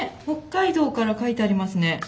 北海道から書いてありますね。